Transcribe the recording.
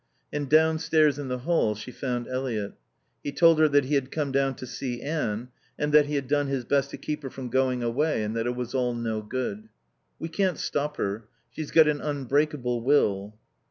And downstairs in the hall, she found Eliot. He told her that he had come down to see Anne and that he had done his best to keep her from going away and that it was all no good. "We can't stop her. She's got an unbreakable will."